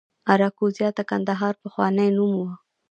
اراکوزیا د کندهار پخوانی نوم و